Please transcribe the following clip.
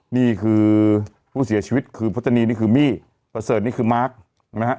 นี่คือผู้เสียชีวิตคือพจนีนี่คือมี่ประเสริฐนี่คือมาร์คนะฮะ